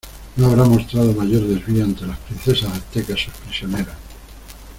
no habrá mostrado mayor desvío ante las princesas aztecas sus prisioneras